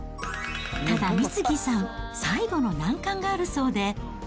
ただ美次さん、最後の難関があるそうで。